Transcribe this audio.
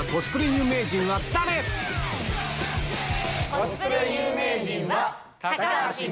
コスプレ有名人は。